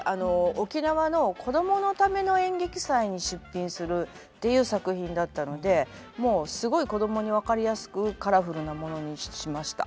沖縄の子供のための演劇祭に出品するっていう作品だったのでもうすごい子供に分かりやすくカラフルなものにしました。